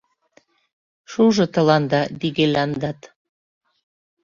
Шужо тыланда вигеляндат!